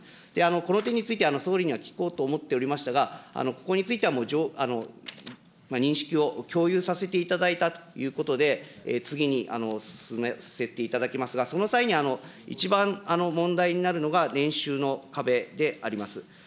この点について、総理には聞こうと思っておりましたが、ここについては、認識を共有させていただいたということで、次に進ませていただきますが、その際にいちばん問題になるのが、年収の壁であります。